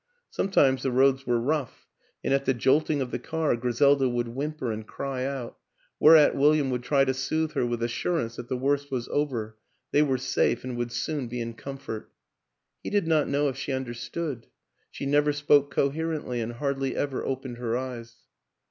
Sometimes the roads were rough, and at the jolt ing of the car Griselda would whimper and cry out whereat William would try to soothe her with assurance that the worst was over, they were safe and would soon be in comfort. He did not know if she understood; she never spoke coher ently and hardly ever opened her eyes.